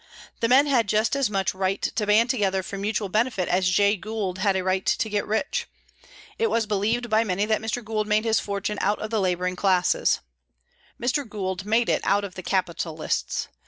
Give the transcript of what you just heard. The men had just as much right to band together for mutual benefit as Jay Gould had a right to get rich. It was believed by many that Mr. Gould made his fortune out of the labouring classes. Mr. Gould made it out of the capitalists.